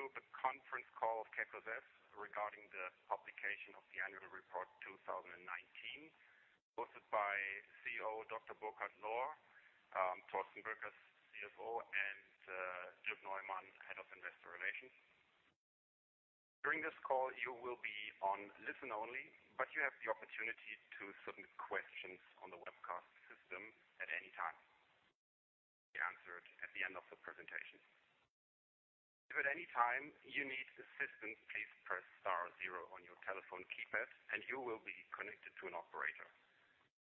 Welcome to the conference call of K+S regarding the publication of the annual report 2019, hosted by CEO Dr. Burkhard Lohr, Thorsten Boeckers, CFO, and Dirk Neumann, head of investor relations. During this call, you will be on listen-only. You have the opportunity to submit questions on the webcast system at any time. They will be answered at the end of the presentation. If at any time you need assistance, please press star zero on your telephone keypad and you will be connected to an operator.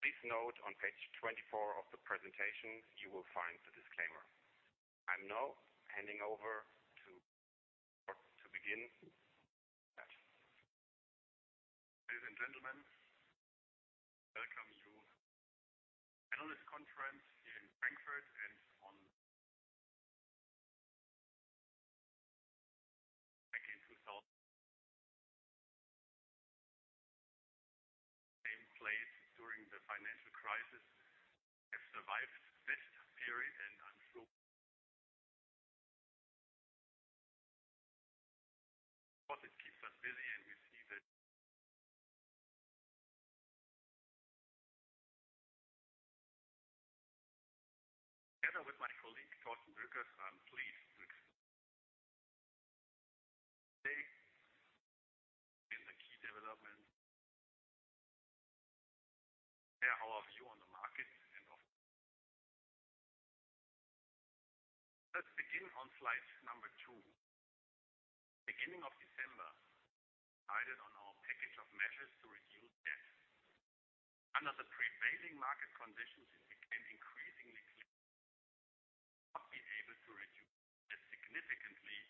Please note on page 24 of the presentation, you will find the disclaimer. I'm now handing over to Burkhard to begin. Ladies and gentlemen, welcome to analyst conference here in Frankfurt and on back in 2000 same place during the financial crisis, have survived this period, and I'm sure of course, it keeps us busy and we see that. Together with my colleague, Thorsten Boeckers, I'm pleased to in the key development share our view on the market and of. Let's begin on slide number two. Beginning of December, decided on our package of measures to reduce debt. Under the prevailing market conditions, it became increasingly clear not be able to reduce as significantly.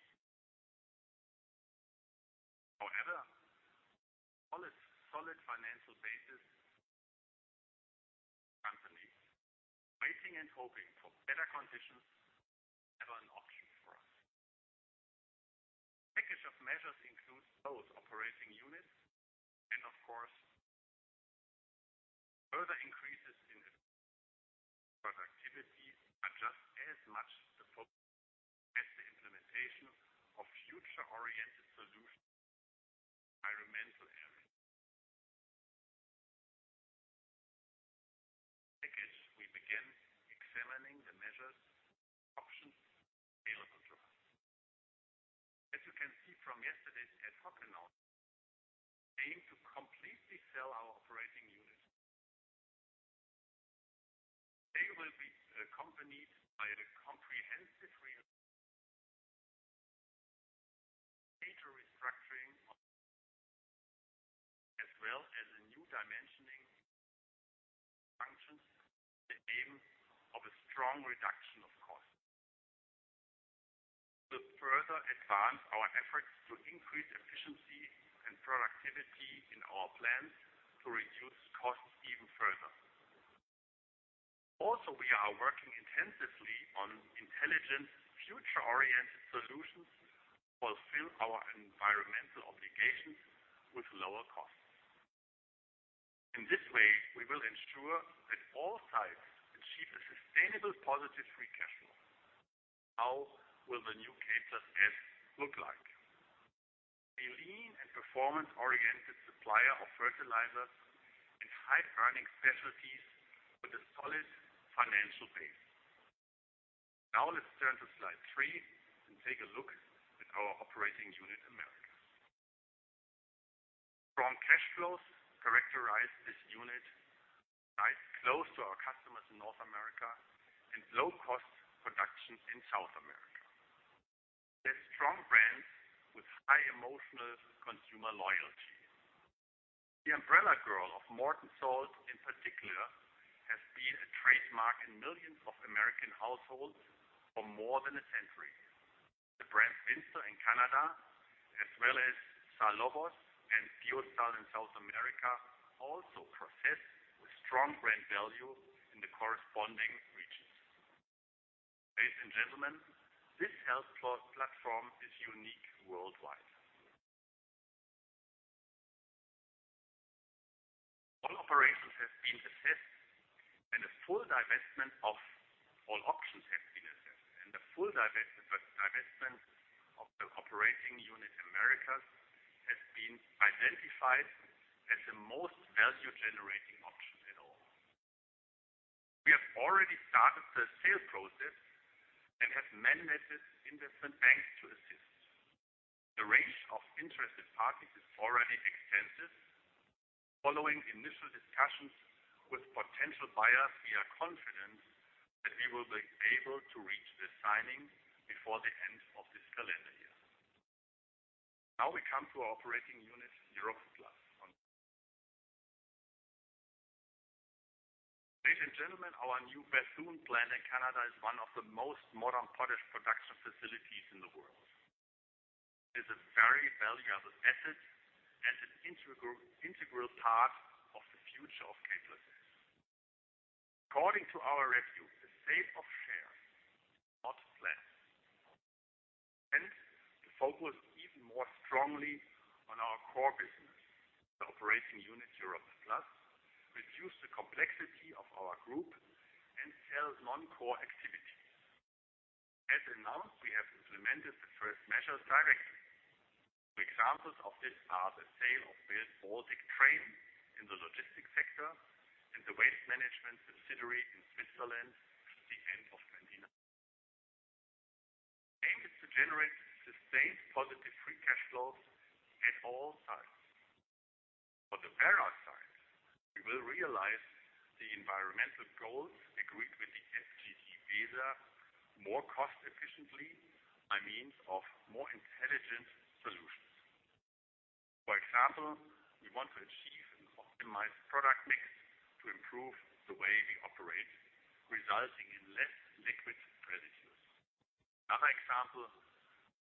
However, solid financial basis company. Waiting and hoping for better conditions, have an option for us. Package of measures includes both operating units and of course. Further increases in productivity are just as much the focus as the implementation of future-oriented solutions environmental area. Package, we begin examining the measures, options available to us. As you can see from yesterday's ad hoc announcement, we aim to completely sell our Operating Unit. They will be accompanied by a comprehensive major restructuring as well as a new dimensioning functions with the aim of a strong reduction of costs. To further advance our efforts to increase efficiency and productivity in our plants to reduce costs even further. We are working intensively on intelligent, future-oriented solutions to fulfill our environmental obligations with lower costs. In this way, we will ensure that all sites achieve a sustainable positive free cash flow. How will the new K+S look like? A lean and performance-oriented supplier of fertilizer and high-earning specialties with a solid financial base. Let's turn to slide three and take a look at our Operating Unit Americas. Strong cash flows characterize this unit, sites close to our customers in North America, and low-cost production in South America. They are strong brands with high emotional consumer loyalty. The umbrella girl of Morton Salt in particular has been a trademark in millions of American households for more than a century. The brand Windsor in Canada, as well as Sal Lobos and Biosal in South America also possess a strong brand value in the corresponding regions. Ladies and gentlemen, this health platform is unique worldwide. All operations have been assessed, and the full divestment of the Operating Unit Americas has been identified as the most value-generating option in all. We have already started the sale process and have mandated investment banks to assist. The range of interested parties is already extensive. Following initial discussions with potential buyers, we are confident that we will be able to reach the signing before the end of this calendar year. We come to our Operating Unit Europe+. Ladies and gentlemen, our new Bethune plant in Canada is one of the most modern potash production facilities in the world. It's a very valuable asset and an integral part of the future of K+S. According to our review, the sale of shares not planned. To focus even more strongly on our core business, the Operating Unit Europe+ reduce the complexity of our group and sell non-core activities. As announced, we have implemented the first measures directly. Two examples of this are the sale of Baltic Train in the logistics sector and the waste management subsidiary in Switzerland at the end of 2019. The aim is to generate sustained positive free cash flows at all times. For the Werra sites, we will realize the environmental goals agreed with the FGG Weser more cost efficiently by means of more intelligent solutions. For example, we want to achieve an optimized product mix to improve the way we operate, resulting in less liquid residues. Another example,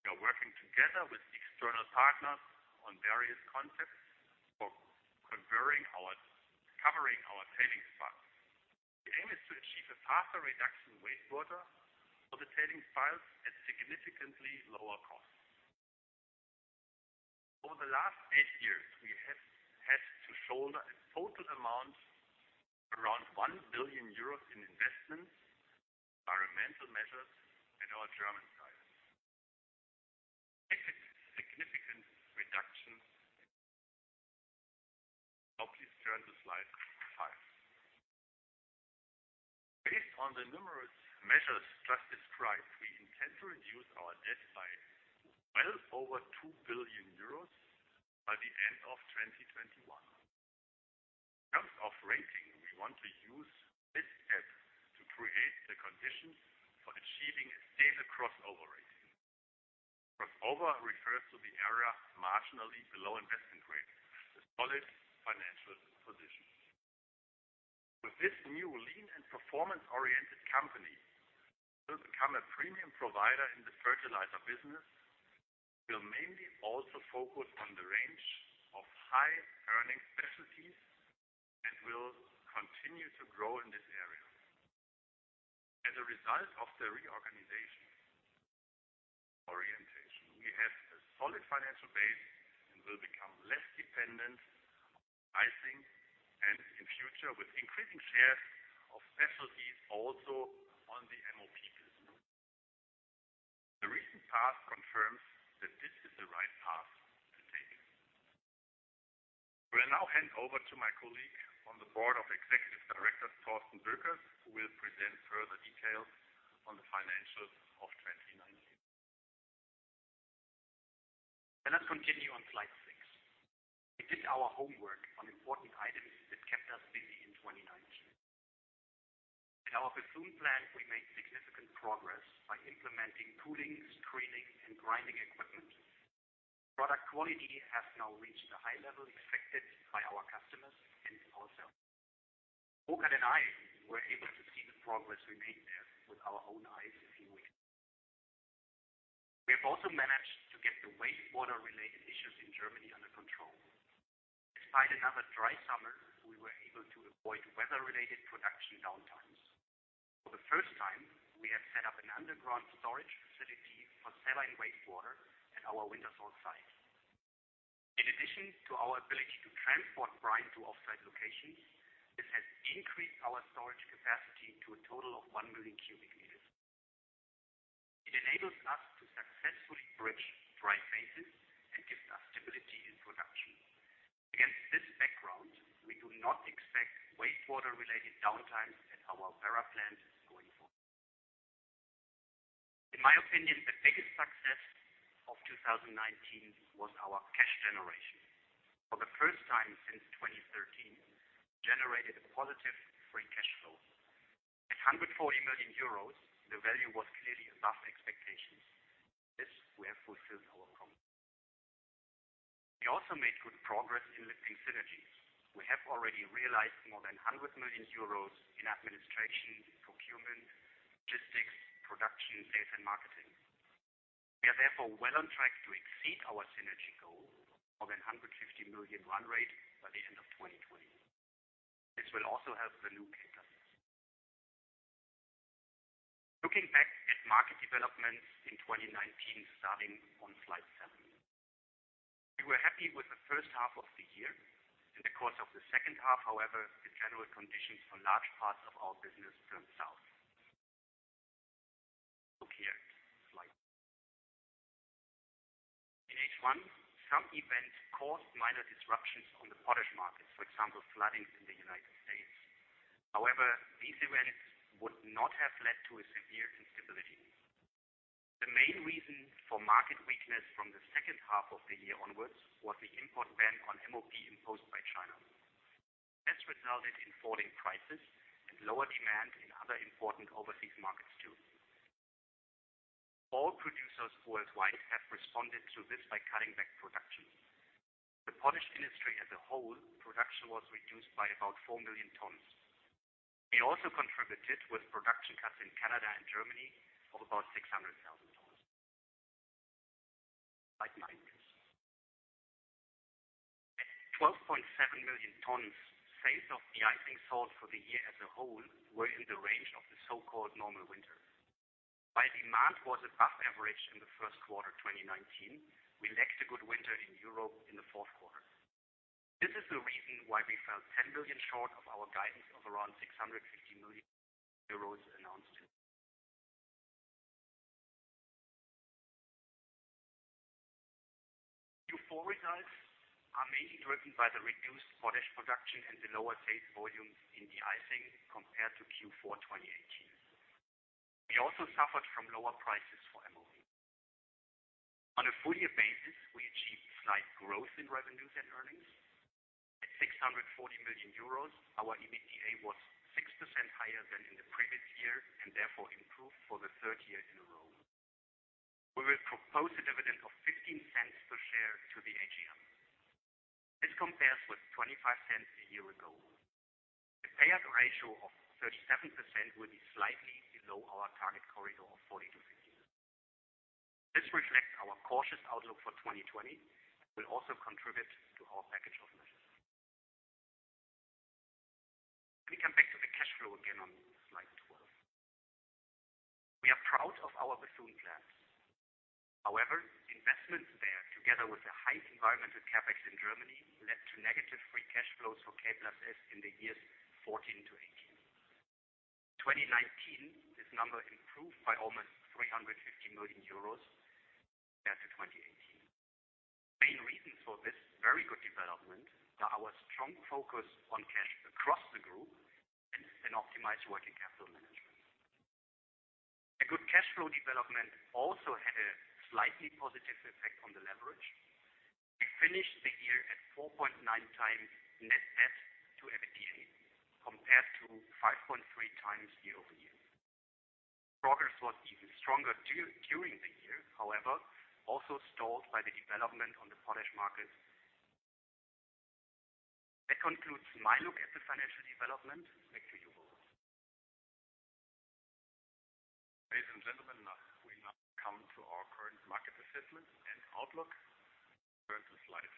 we are working together with external partners on various concepts for covering our tailings part. The aim is to achieve a faster reduction in wastewater for the tailings files at significantly lower costs. Over the last eight years, we have had to shoulder a total amount around 1 billion euros in investments, environmental measures at our German sites. Significant reductions. Now, please turn to slide five. Based on the numerous measures just described, we intend to reduce our debt by well over 2 billion euros by the end of 2021. In terms of ranking, we want to use this step to create the conditions for achieving a stable crossover rating. Crossover refers to the area marginally below investment grade, a solid financial position. With this new lean and performance-oriented company, we will become a premium provider in the fertilizer business. We'll mainly also focus on the range of high-earning specialties and will continue to grow in this area. As a result of the reorganization orientation, we have a solid financial base and will become less dependent on de-icing, and in future, with increasing shares of specialties also on the MOP business. The recent past confirms that this is the right path to take. I will now hand over to my colleague on the board of executive directors, Thorsten Boeckers, who will present further details on the financials of 2019. Let's continue on slide six. We did our homework on important items that kept us busy in 2019. At our Bethune plant, we made significant progress by implementing cooling, screening, and grinding equipment. Product quality has now reached the high level expected by our customers and ourselves. Burkhard and I were able to see the progress we made there with our own eyes a few weeks ago. We have also managed to get the wastewater-related issues in Germany under control. Despite another dry summer, we were able to avoid weather-related production downtimes. For the first time, we have set up an underground storage facility for saline wastewater at our Wintershall site. In addition to our ability to transport brine to offsite locations, this has increased our storage capacity to a total of 1 million cubic meters. It enables us to successfully bridge dry phases and gives us stability in production. Against this background, we do not expect wastewater-related downtimes at our Werra plants going forward. In my opinion, the biggest success of 2019 was our cash generation. For the first time since 2013, we generated a positive free cash flow. At 140 million euros, the value was clearly above expectations. With this, we have fulfilled our commitment. We also made good progress in lifting synergies. We have already realized more than 100 million euros in administration, procurement, logistics, production, sales, and marketing. We are therefore well on track to exceed our synergy goal of more than 150 million run rate by the end of 2020. This will also help the new K+S. Looking back at market developments in 2019, starting on slide seven. We were happy with the H1 of the year. In the course of the second half, the general conditions for large parts of our business turned south. Look here, slide. In H1, some events caused minor disruptions on the potash market, for example, flooding in the United States. These events would not have led to a severe instability. The main reason for market weakness from the H2 of the year onwards was the import ban on MOP imposed by China. This resulted in falling prices and lower demand in other important overseas markets, too. All producers worldwide have responded to this by cutting back production. The potash industry as a whole, production was reduced by about 4 million tons. We also contributed with production cuts in Canada and Germany of about 600,000 tons. Slide nine, please. At 12.7 million tons, sales of de-icing salt for the year as a whole were in the range of the so-called normal winter. While demand was above average in the first quarter 2019, we lacked a good winter in Europe in the fourth quarter. This is the reason why we fell 10 billion short of our guidance of around 650 million euros announced. Q4 results are mainly driven by the reduced potash production and the lower salt volumes in de-icing compared to Q4 2018. We also suffered from lower prices for MOP. On a full year basis, we achieved slight growth in revenues and earnings. At 640 million euros, our EBITDA was 6% higher than in the previous year and therefore improved for the third year in a row. We will propose a dividend of 0.15 per share to the AGM. This compares with 0.25 a year ago. The payout ratio of 37% will be slightly below our target corridor of 40%-50%. This reflects our cautious outlook for 2020 and will also contribute to our package of measures. We come back to the cash flow again on slide 12. We are proud of our Bethune plant. Investments there, together with the high environmental CapEx in Germany, led to negative free cash flows for K+S in the years 2014-2018. In 2019, this number improved by almost 350 million euros compared to 2018. The main reasons for this very good development are our strong focus on cash across the group and an optimized working capital management. A good cash flow development also had a slightly positive effect on the leverage. We finished the year at 4.9x net debt to EBITDA, compared to 5.3x year-over-year. Progress was even stronger during the year, however, also stalled by the development on the potash market. That concludes my look at the financial development. Back to you, Burkhard. Ladies and gentlemen, we now come to our current market assessment and outlook. Turn to slide.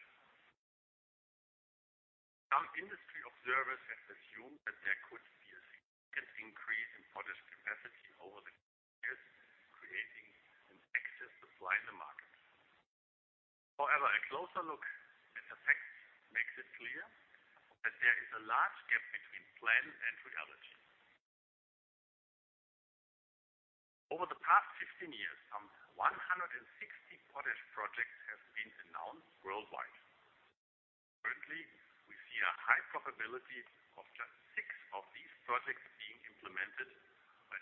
Some industry observers have assumed that there could be a significant increase in potash capacity over the coming years, creating an excess supply in the market. A closer look at the facts makes it clear that there is a large gap between plan and reality. Over the past 15 years, some 160 potash projects have been announced worldwide. Currently, we see a high probability of just six of these projects being implemented by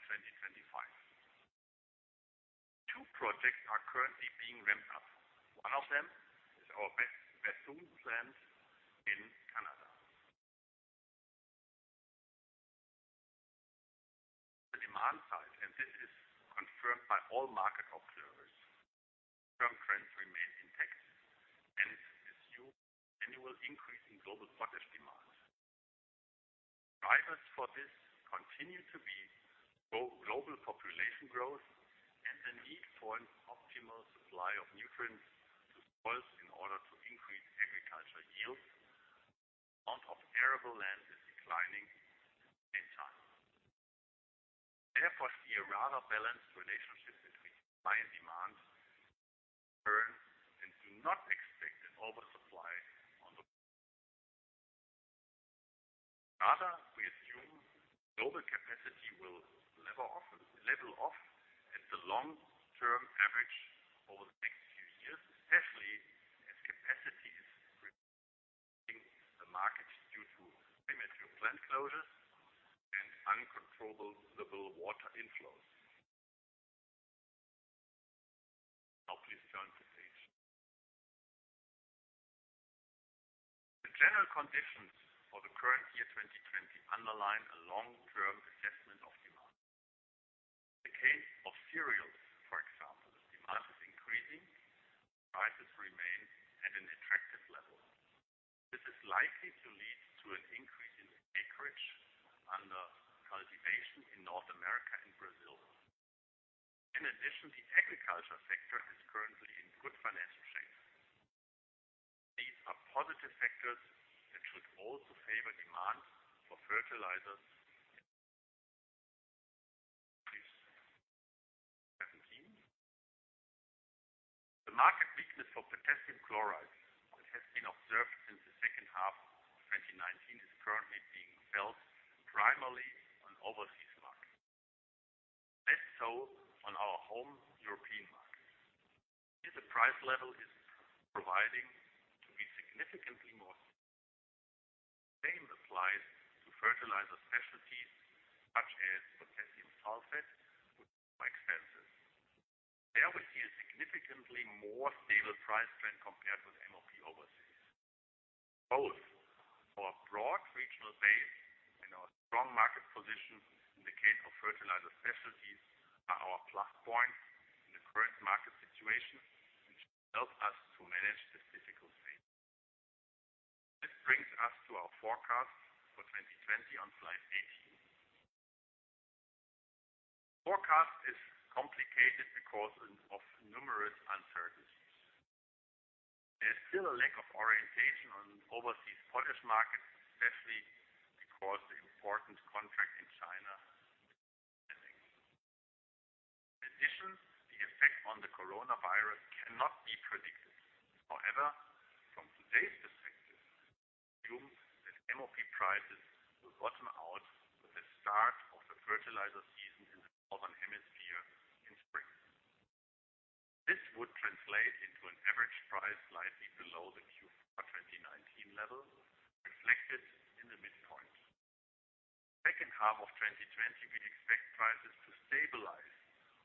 2025. Two projects are currently being ramped up. One of them is our Bethune plant in Canada. On the demand side, this is confirmed by all market observers, long-term trends remain intact and assume annual increase in global potash demand. Drivers for this continue to be global population growth and the need for an optimal supply of nutrients to soils in order to increase agricultural yields. Amount of arable land is declining in time. See a rather balanced relationship between supply and demand going forward and do not expect an oversupply. Rather, we assume global capacity will level off at the long-term average over the next few years, especially as capacity is releasing the market due to premature plant closures and uncontrollable water inflows. Now please turn the page. The general conditions for the current year 2020 underline a long-term assessment of demand. In the case of cereals, for example, demand is increasing, and prices remain at an attractive level. This is likely to lead to an increase in acreage under cultivation in North America and Brazil. In addition, the agriculture sector is currently in good financial shape. These are positive factors that should also favor demand for fertilizers. Please, 17. The market weakness for potassium chloride that has been observed since the H2 of 2019 is currently being felt primarily on overseas markets. Less so on our home European market. Here, the price level is proving to be significantly more. The same applies to fertilizer specialties such as potassium sulfate, which is quite expensive. There we see a significantly more stable price trend compared with MOP overseas. Both our broad regional base and our strong market position in the case of fertilizer specialties are our plus points in the current market situation, which help us to manage this difficult phase. This brings us to our forecast for 2020 on slide 18. The forecast is complicated because of numerous still a lack of orientation on overseas potash markets, especially because the important contract in China is ending. In addition, the effect on the coronavirus cannot be predicted. However, from today's perspective, we assume that MOP prices will bottom out with the start of the fertilizer season in the Northern Hemisphere in spring. This would translate into an average price slightly below the Q4 2019 level, reflected in the midpoint. Second half of 2020, we expect prices to stabilize at a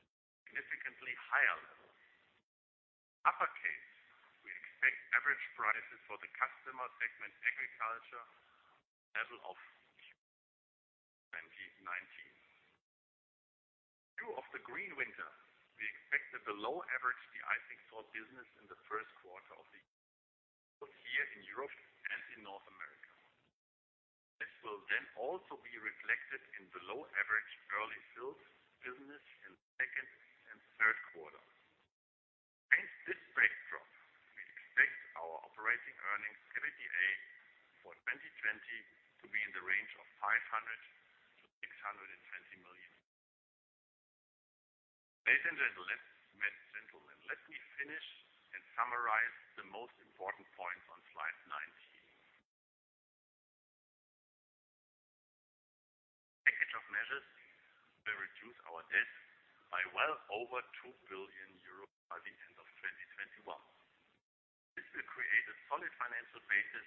significantly higher level. Upper case, we expect average prices for the customer segment agriculture level of Q4 2019. Due to the green winter, we expected a low average de-icing salt business in the first quarter of the year, both here in Europe and in North America. This will also be reflected in the low average early fills business in the second and third quarter. Against this backdrop, we expect our operating earnings, EBITDA, for 2020 to be in the range of 500 million-620 million. Ladies and gentlemen, let me finish and summarize the most important points on slide 19. A package of measures will reduce our debt by well over 2 billion euros by the end of 2021. This will create a solid financial basis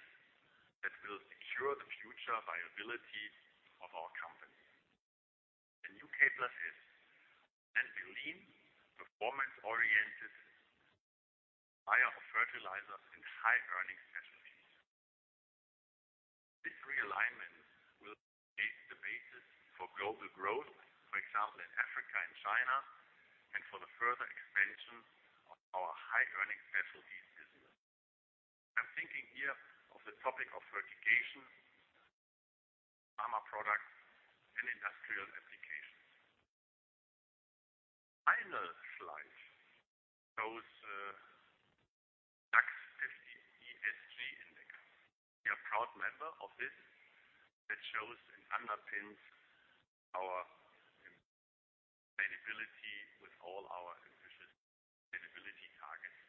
that will secure the future viability of our company. The new K+S stands for lean, performance-oriented supplier of fertilizer and high-earning specialties. This realignment will create the basis for global growth, for example, in Africa and China, and for the further expansion of our high-earning specialties business. I'm thinking here of the topic of fertigation, pharma products, and industrial applications. The final slide shows the DAX 50 ESG index. We are a proud member of this. That shows and underpins our sustainability with all our ambitious sustainability targets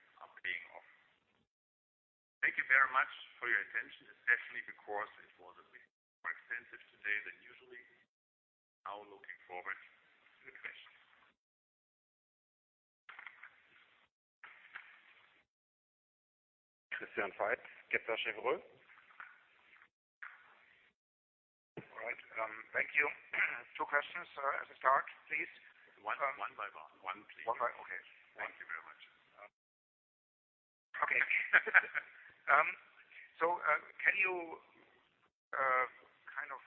are paying off. Thank you very much for your attention, especially because it was a bit more extensive today than usually. I'm now looking forward to the questions. Christian Faitz, Kepler Cheuvreux. All right. Thank you. Two questions as a start, please. One by one, please. Okay. Thank you very much. Okay. Can you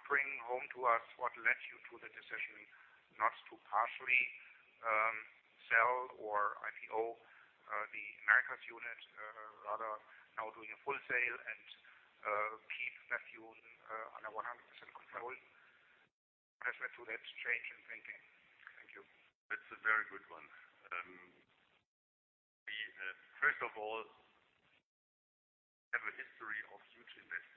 bring home to us what led you to the decision not to partially sell or IPO the Americas unit, rather now doing a full sale and keep Bethune on a 100% role? What has led to that change in thinking? Thank you. That's a very good one. We, first of all, have a history of huge investments that the OU Americas more or less result of the acquisitions in 2006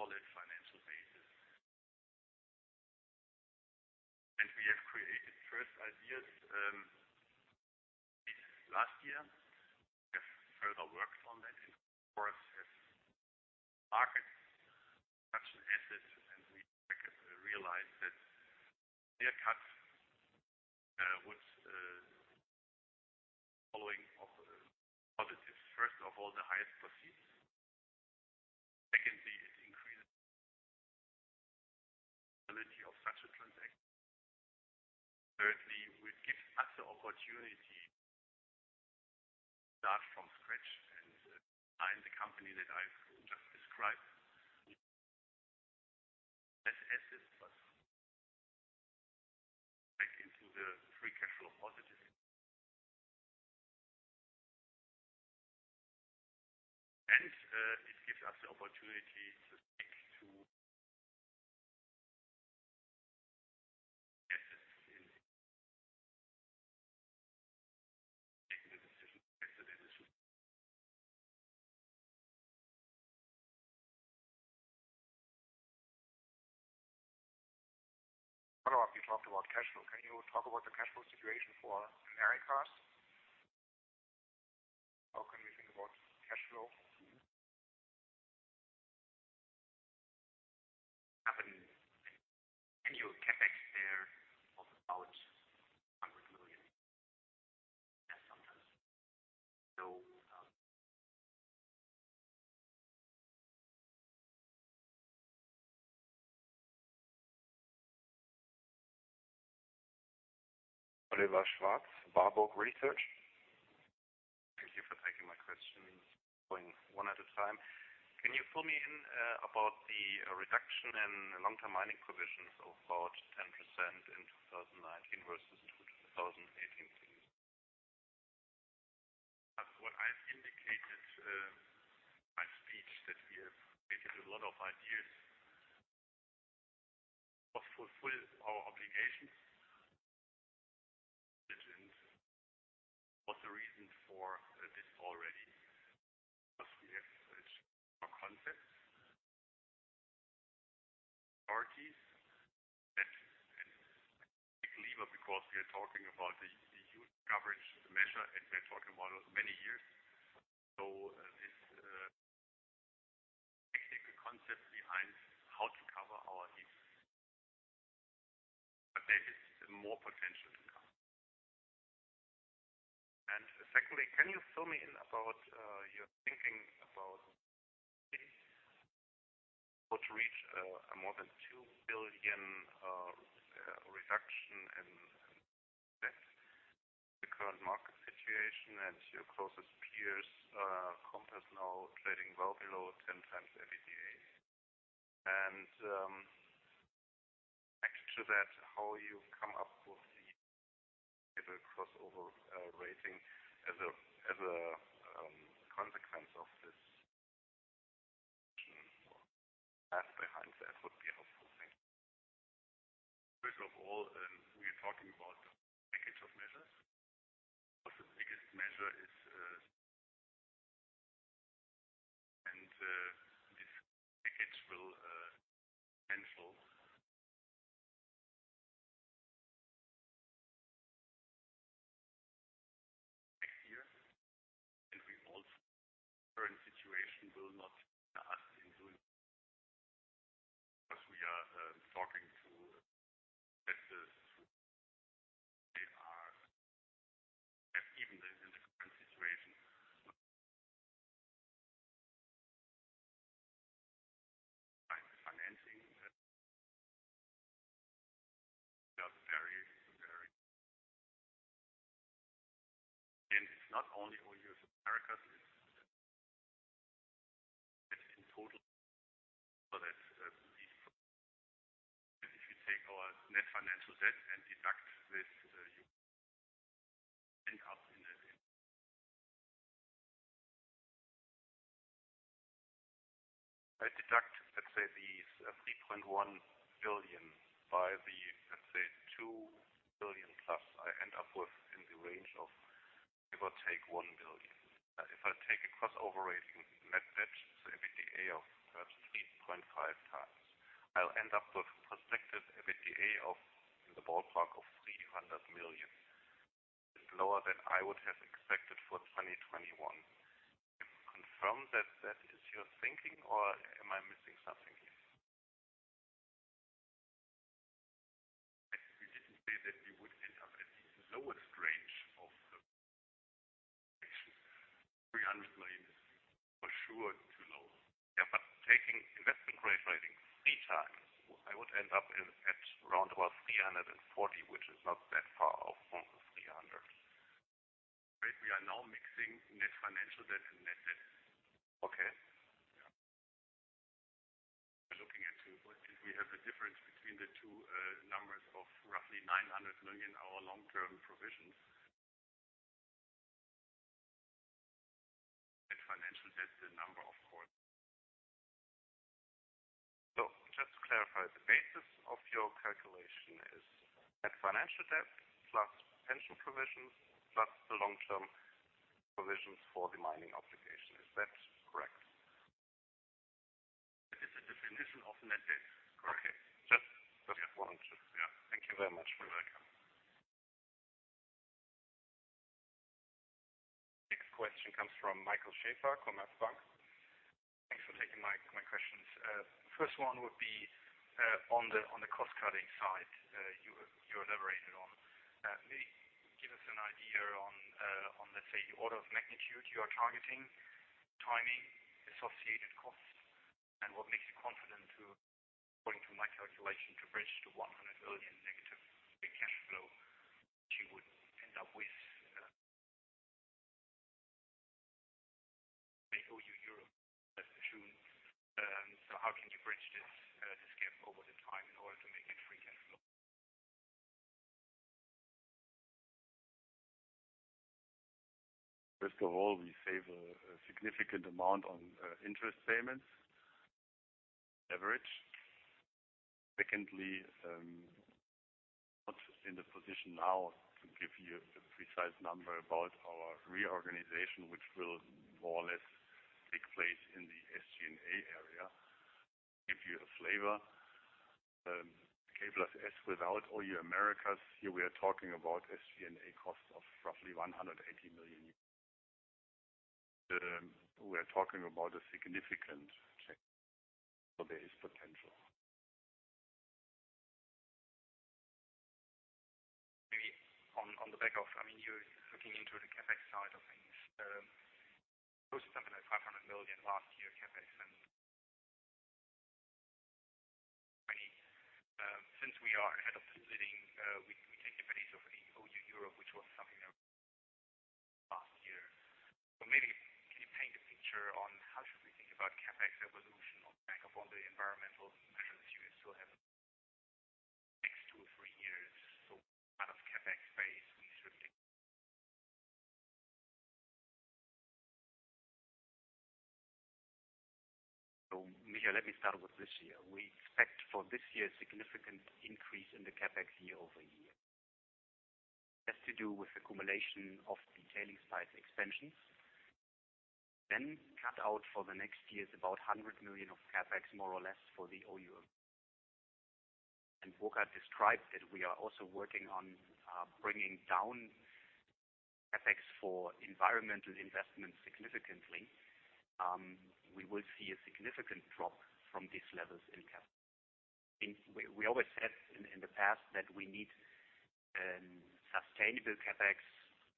and 2009, have heavily invested in Bethune. We also were the environment that we have seen in the last couple of years. Coming back to a solid financial basis. We have created first ideas late last year. We have further worked on that and, of course, as markets, such an asset, and we realized that clear cut would, following of the positives, first of all, the highest proceeds. Secondly, it increases ability of such a transaction. Thirdly, it would give us the opportunity to start from scratch and design the company that I've just described. Less assets, but back into the free cash flow positive. It gives us the opportunity to stick to assets. Making the decision. Follow-up, you talked about cash flow. Can you talk about the cash flow situation for Americas? How can we think about cash flow? Annual CapEx there of about EUR 100 million- Oliver Schwarz, Warburg Research. Thank you for taking my questions. Going one at a time. Can you fill me in about the reduction in long-term mining provisions of about 10% in 2019 versus 2018, please? What I've indicated in my speech, that we have taken a lot of ideas to fulfill our obligations. What the reason for this already, because we have a concept. Authorities and big lever because we are talking about the huge coverage measure and net working model many years. This technical concept behind how to cover our heat. There is more potential to come. Secondly, can you fill me in about your thinking about to reach more than 2 billion reduction in debt, the current market situation and your closest peers, Compass now trading well below 10x EBITDA. Next to that, how you come up with the crossover rating as a consequence of this math behind that would be helpful. Thanks. First of all, we're talking about the package of measures. This package will potential next year. The current situation will not hinder us in doing because we are talking to investors who they are, even in the current situation, find the financing that does vary. It's not only OU Americas, it's in total. If you take our net financial debt and deduct this end up in that. I deduct, let's say, these 3.1 billion by the, let's say, 2 billion+ I end up with in the range of give or take 1 billion. If I take a crossover rating net debt to EBITDA of perhaps 3.5x, I'll end up with prospective EBITDA of in the ballpark of 300 million. It's lower than I would have expected for 2021. Can you confirm that is your thinking or am I missing something here? We didn't say that we would end up at the lowest range of the EUR 300 million is for sure too low. Yeah, taking investment grade rating 3x, I would end up at around about 340, which is not that far off from 300. We are now mixing net financial debt and net debt. Okay. We're looking at two. We have a difference between the two numbers of roughly 900 million, our long-term provisions and financial debt. Just to clarify, the basis of your calculation is net financial debt+pension provisions+the long-term provisions for the mining obligation. Is that correct? That is the definition of net debt. Correct. Okay. Just one or two. Yeah. Thank you very much for the clarity. You're welcome. Next question comes from Michael Schäfer, Commerzbank. Thanks for taking my questions. First one would be on the cost-cutting side you elaborated on. Maybe give us an idea on, let's say, the order of magnitude you are targeting, timing, associated costs, and what makes you confident to, according to my calculation, to bridge to 100 million- free cash flow, which you would end up with pay OU Europe/ Bethune? How can you bridge this gap over the time in order to make it free cash flow? First of all, we save a significant amount on interest payments leverage. Secondly, not in the position now to give you a precise number about our reorganization, which will more or less take place in the SG&A area. Give you a flavor. K+S without OU Americas, here we are talking about SG&A costs of roughly 180 million euros. We are talking about a significant change. There is potential. Posted something like EUR 500 million last year CapEx, and since we are ahead of the splitting, we take CapEx of the OU Europe, which was something that last year. Maybe can you paint a picture on how should we think about CapEx evolution on back of all the environmental measures you still have next two or three years? What kind of CapEx base we should expect? Let me start with this year. We expect for this year a significant increase in the CapEx year-over-year. It has to do with accumulation of the tailing sites expansion. Cut out for the next year is about 100 million of CapEx, more or less for the OU. Burkhard described that we are also working on bringing down CapEx for environmental investments significantly. We will see a significant drop from these levels in CapEx. We always said in the past that we need sustainable CapEx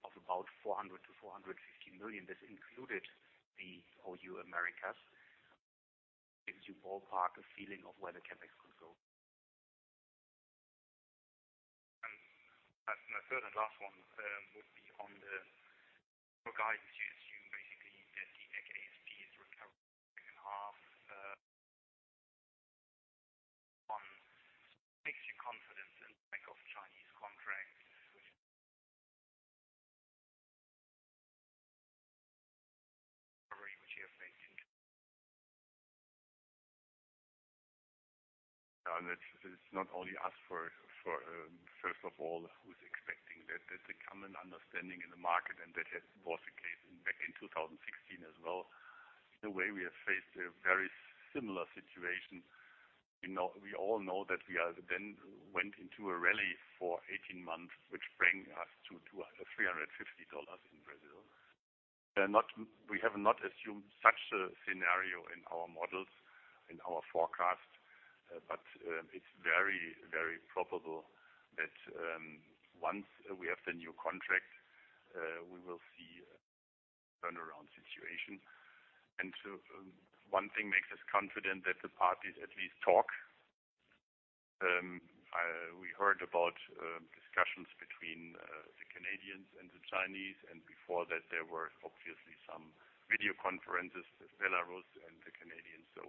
of about 400 million-450 million. This included the OU Americas. Gives you ballpark a feeling of where the CapEx could go. My third and last one would be on the guidance you assume basically that the ASP is recovering second half on makes you confidence in back of Chinese contracts, which you have faced. It's not only us first of all, who's expecting that. That's a common understanding in the market. That was the case back in 2016 as well. In a way, we have faced a very similar situation. We all know that we then went into a rally for 18 months, which bring us to EUR 350 in Brazil. We have not assumed such a scenario in our models, in our forecast. It's very, very probable that once we have the new contract, we will see a turnaround situation. One thing makes us confident that the parties at least talk. We heard about discussions between the Canadians and the Chinese. Before that, there were obviously some video conferences, Belarus and the Canadians. At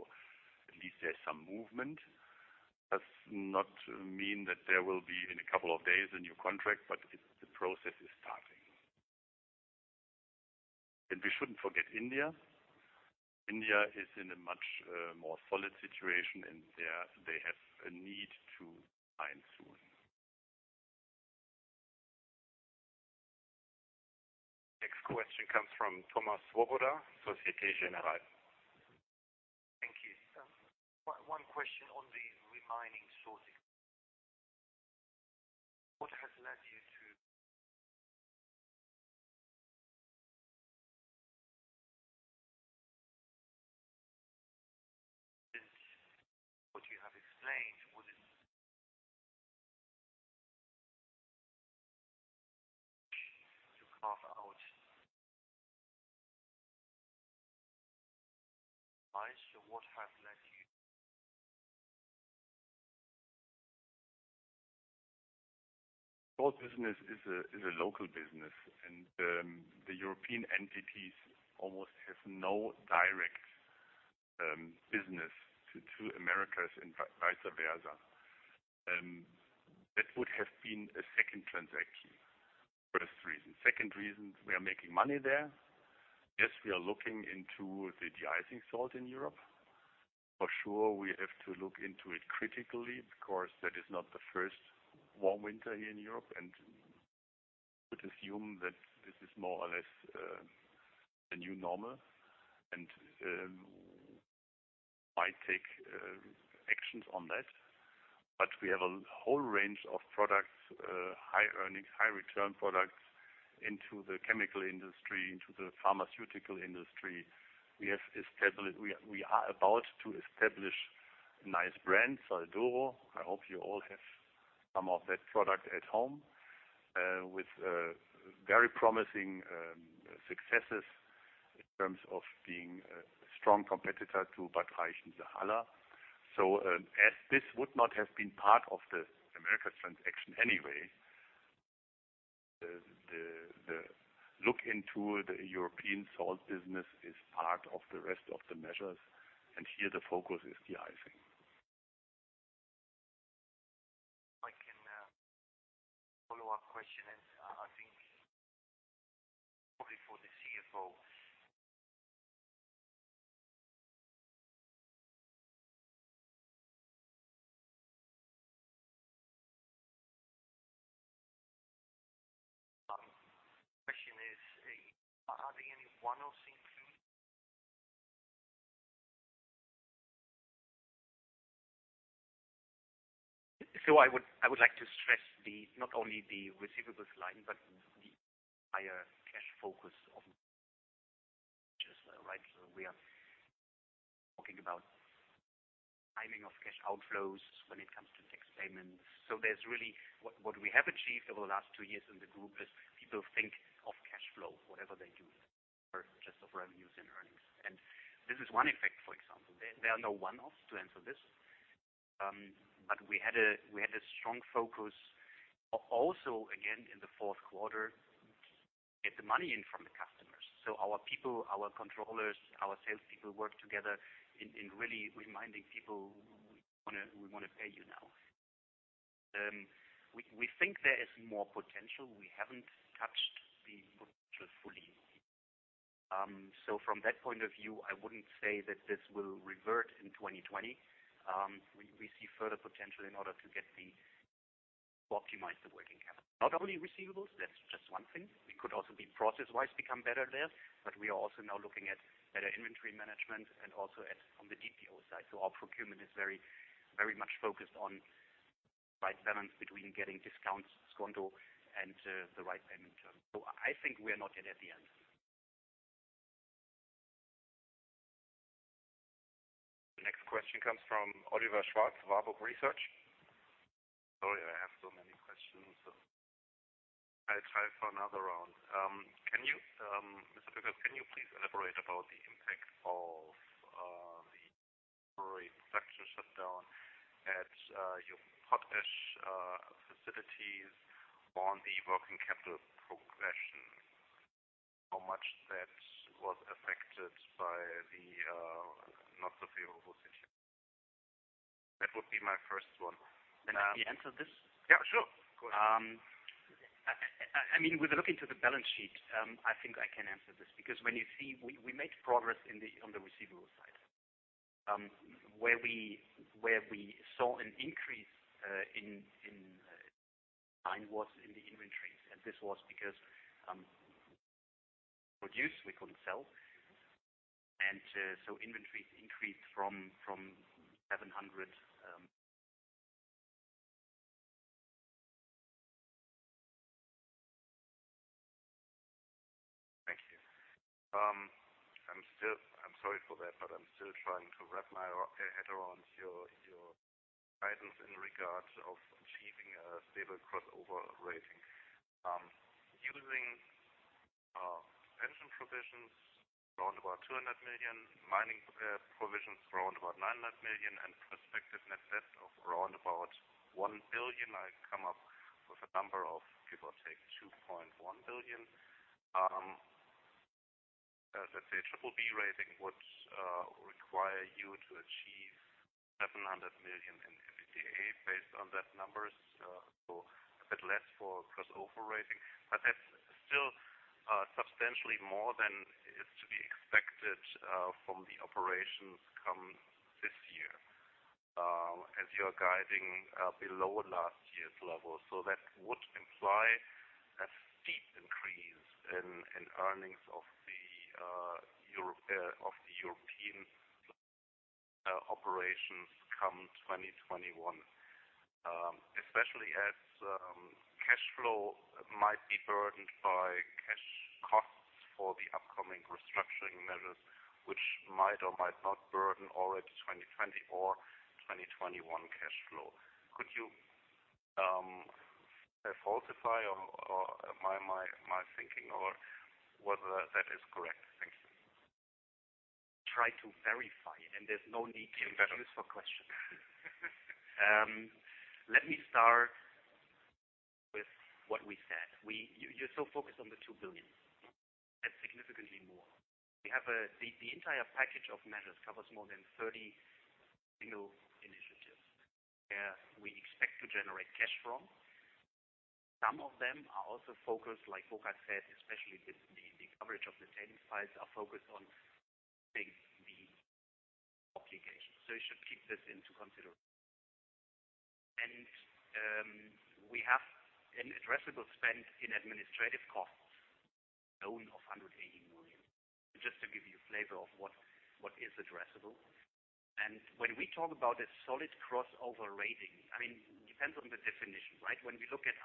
least there's some movement. Does not mean that there will be in a couple of days a new contract. The process is starting. We shouldn't forget India. India is in a much more solid situation, and they have a need to sign soon. Next question comes from Thomas Swoboda, Société Générale. Thank you, sir. One question on the remining sourcing. What has led you to keep the European salt within the group? Salt business is a local business, and the European entities almost have no direct business to Americas and vice versa. That would have been a second transaction. First reason. Second reason, we are making money there. Yes, we are looking into the de-icing salt in Europe. For sure, we have to look into it critically because that is not the first warm winter here in Europe, and we could assume that this is more or less the new normal and might take actions on that. We have a whole range of products high earnings, high- return products into the chemical industry, into the pharmaceutical industry. We are about to establish a nice brand, SALDORO. I hope you all have some of that product at home, with very promising successes in terms of being a strong competitor to. As this would not have been part of the Americas transaction anyway, the look into the European salt business is part of the rest of the measures, and here the focus is de-icing. I can follow up question, and I think probably for the CFO. Question is, are there any one-off sinks in there? I would like to stress not only the receivables line, but the entire cash focus of which is right. Think about timing of cash outflows when it comes to tax payments. What we have achieved over the last two years in the group is people think of cash flow, whatever they do, versus just of revenues and earnings. This is one effect, for example. There are no one-offs to answer this. We had a strong focus also, again, in the fourth quarter, to get the money in from the customers. Our people, our controllers, our salespeople work together in really reminding people, we want to pay you now. We think there is more potential. We haven't touched the potential fully. From that point of view, I wouldn't say that this will revert in 2020. We see further potential in order to optimize the working capital. Not only receivables, that's just one thing. We could also process-wise become better there, but we are also now looking at better inventory management and also from the DPO side. Our procurement is very much focused on the right balance between getting discounts, scondo, and the right payment term. I think we are not yet at the end. The next question comes from Oliver Schwarz, Warburg Research. Sorry, I have so many questions, so I try for another round. Mr. Boeckers, can you please elaborate about the impact of the temporary production shutdown at your potash facilities on the working capital progression? How much that was affected by the temporary shutdown? That would be my first one. Can I answer this? Yeah, sure. Go ahead. With a look into the balance sheet, I think I can answer this, because when you see we made progress on the receivables side. Where we saw an increase in time was in the inventories, and this was because produce we couldn't sell, and so inventories increased from EUR 700. Thank you. I'm sorry for that, but I'm still trying to wrap my head around your guidance in regards of achieving a stable crossover rating. Losing pension provisions around about 200 million, mining provisions for around about 900 million, and prospective net debt of around about 1 billion, I come up with a number of give or take 2.1 billion. Let's say a triple B rating would require you to achieve 700 million in EBITDA based on that numbers, a bit less for crossover rating. That's still substantially more than is to be expected from the operations come this year, as you are guiding below last year's level. That would imply a steep increase in earnings of the European operations come 2021. Especially as cash flow might be burdened by cash costs for the upcoming restructuring measures, which might or might not burden already 2020 or 2021 cash flow. Could you falsify my thinking or whether that is correct? Thank you. Try to verify. Even better. Choose for question. Let me start with what we said. You're so focused on the 2 billion. That's significantly more. The entire package of measures covers more than 30 single initiatives where we expect to generate cash from. Some of them are also focused, like Burkhard said, especially with the coverage of the tail pipes are focused on paying the obligations. You should keep this into consideration. We have an addressable spend in administrative costs alone of 180 million, just to give you a flavor of what is addressable. When we talk about a solid crossover rating, it depends on the definition, right? When we look at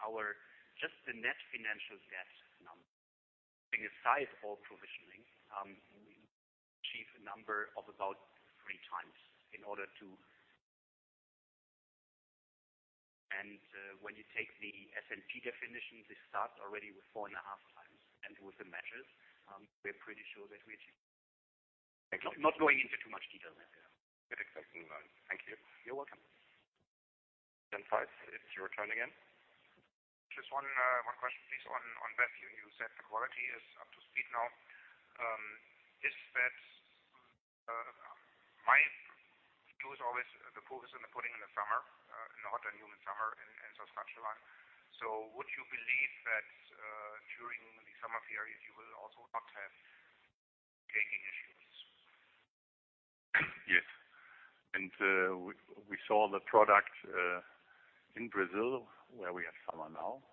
just the net financial debt number, putting aside all provisioning, we achieve a number of about 3x in order to. When you take the S&P definition, this starts already with 4.5x. With the measures, we're pretty sure that we achieve that. Thank you. Not going into too much detail there. Good expecting that. Thank you. You're welcome. Christian Faitz, it's your turn again. Just one question, please, on Bethune. You said the quality is up to speed now. My view is always the proof is in the pudding in the summer, in the hot and humid summer in Saskatchewan. Would you believe that during the summer period, you will also not have caking issues? Yes. We saw the product in Brazil, where we have Salinal,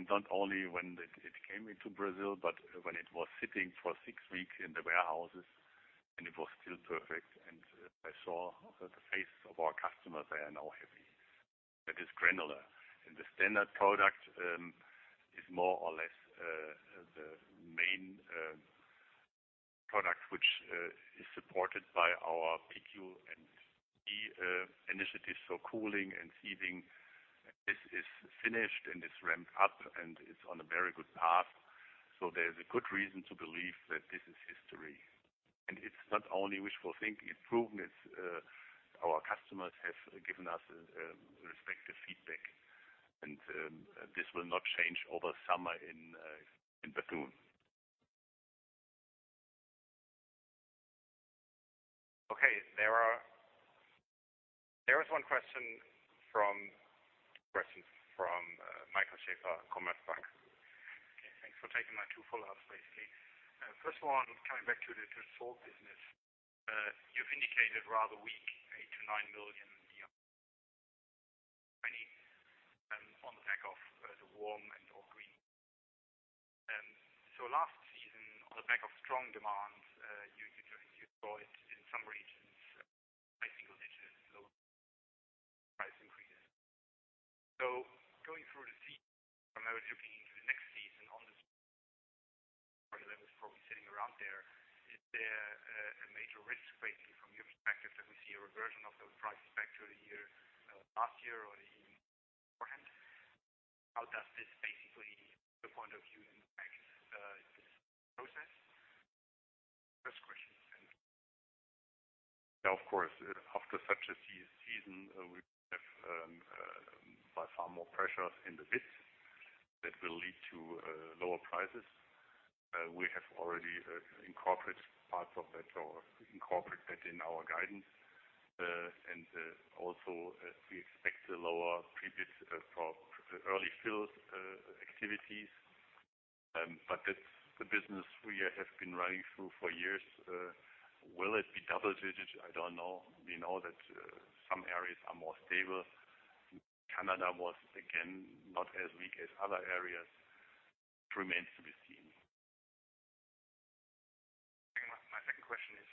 and not only when it came into Brazil, but when it was sitting for six weeks in the warehouses, and it was still perfect. I saw the face of our customers, they are now happy. That is granular. The standard product is more or less the main product, which is supported by our PQ&T initiatives for cooling and screening. This is finished and it's ramped up, and it's on a very good path. There's a good reason to believe that this is history. It's not only wishful thinking. It's proven, our customers have given us respective feedback, and this will not change over summer in Bethune. Okay. There is one question from Michael Schäfer, Commerzbank. Okay. Thanks for taking my two follow-ups, basically. Coming back to the salt business. You've indicated rather weak, 8 million-9 million on the back of the warm and/or green. Last season, on the back of strong demand, you saw it in some regions, high single digits, low price increases. Going through the season, and now looking into the next season on the that was probably sitting around there. Is there a major risk, basically, from your perspective, that we see a reversion of those prices back to the year, last year or even beforehand? How does this basically, the point of view impact this process? First question. Of course, after such a season, we have by far more pressures in the bids that will lead to lower prices. We have already incorporated parts of that or incorporated that in our guidance. We expect lower pre-bid for early fill activities. That's the business we have been running through for years. Will it be double digits? I don't know. We know that some areas are more stable. Canada was, again, not as weak as other areas. Remains to be seen. My second question is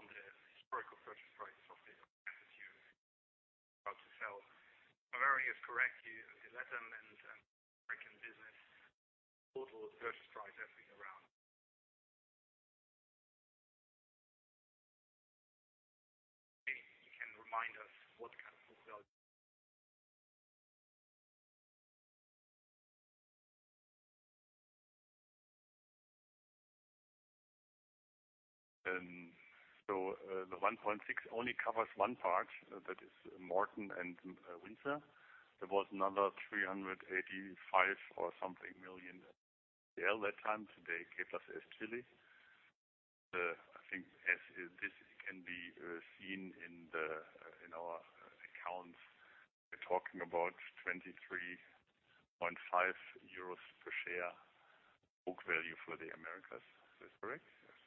on the historical purchase price of the assets you are about to sell. If I remember it correctly, the Latin and American business, total purchase price has been around. Maybe you can remind us what kind of book value. The 1.6 only covers one part. That is Morton and Windsor. There was another 385 million or something deal that time. Today, K+S Chile is Chile. I think as this can be seen in our accounts, we are talking about 23.5 euros per share book value for the Americas. Is that correct? Yes.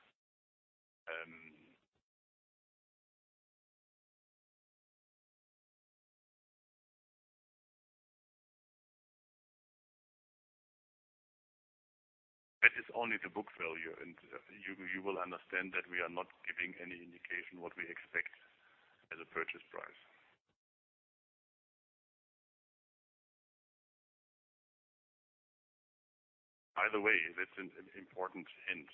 That is only the book value. You will understand that we are not giving any indication what we expect as a purchase price. By the way, that's an important hint.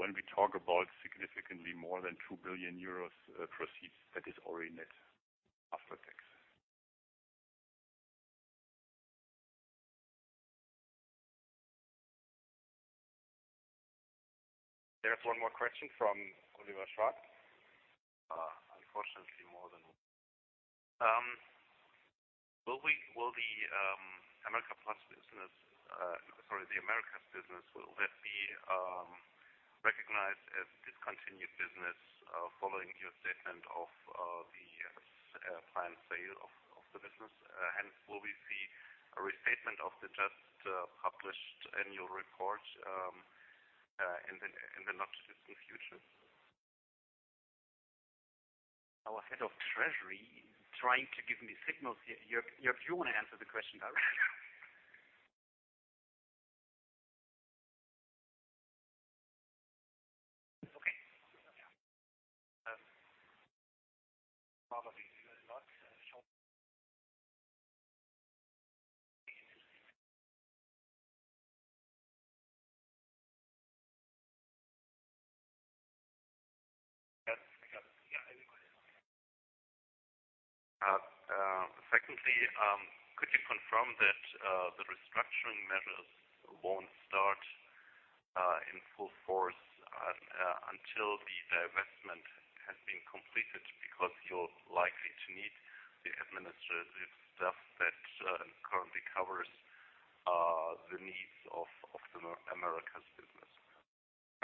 When we talk about significantly more than 2 billion euros proceeds, that is already net after tax. There's one more question from Oliver Schwarz. Unfortunately, more than one. Will the Americas business, will that be recognized as discontinued business following your statement of the planned sale of the business? Will we see a restatement of the just published annual report in the not too distant future? Our head of treasury trying to give me signals here. If you want to answer the question, I will. Okay. Probably not short. Yes, I got it. Yeah. Secondly, could you confirm that the restructuring measures won't start in full force until the divestment has been completed? You're likely to need the administrative staff that currently covers the needs of the Americas business.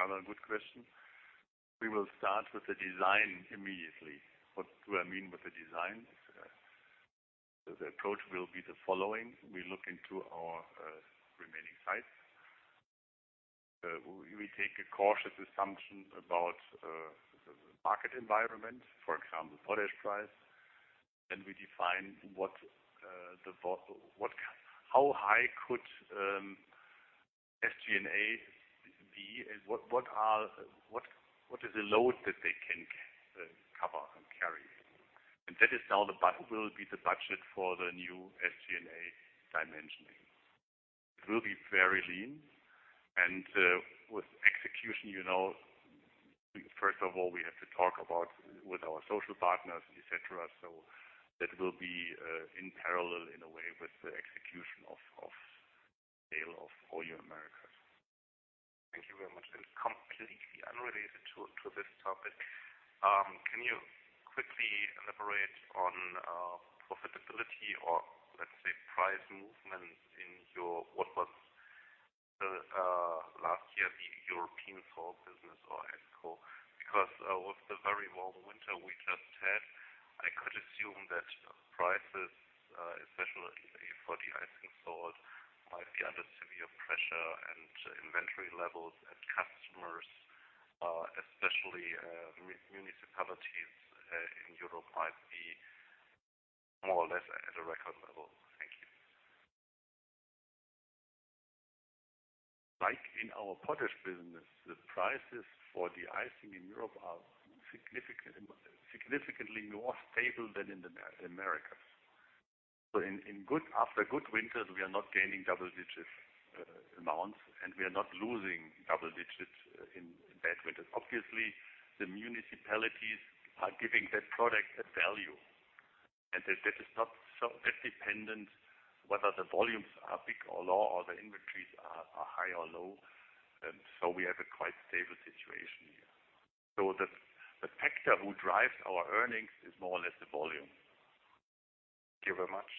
Another good question. We will start with the design immediately. What do I mean with the design? The approach will be the following. We look into our remaining sites. We take a cautious assumption about the market environment, for example, potash price. We define how high could SG&A be and what is the load that they can cover and carry. That will be the budget for the new SG&A dimensioning. It will be very lean, and with execution, first of all, we have to talk about with our social partners, et cetera. That will be in parallel in a way with the execution of sale of OU Americas. Thank you very much. Completely unrelated to this topic, can you quickly elaborate on profitability or let's say price movement in your, what was last year, the European salt business or esco? With the very warm winter we just had, I could assume that prices, especially for de-icing salt, might be under severe pressure and inventory levels at customers, especially municipalities in Europe, might be more or less at a record level. Thank you. Like in our potash business, the prices for de-icing in Europe are significantly more stable than in the Americas. After good winters, we are not gaining double-digit amounts, and we are not losing double-digits in bad winters. Obviously, the municipalities are giving that product a value, and that is not so dependent whether the volumes are big or low or the inventories are high or low. We have a quite stable situation here. The factor who drives our earnings is more or less the volume. Thank you very much.